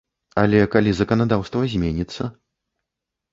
Але калі заканадаўства зменіцца?